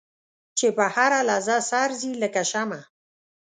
چې په هره لحظه سر ځي لکه شمع.